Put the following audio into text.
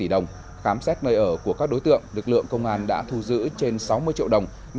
trong khám xét nơi ở của các đối tượng lực lượng công an đã thu giữ trên sáu mươi triệu đồng